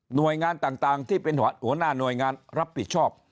หน่วยงานต่างที่เป็นหัวหน้าหน่วยงานรับผิดชอบ